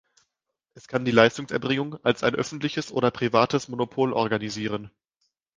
Es kann die Leistungserbringung als ein öffentliches oder privates Monopol organisieren.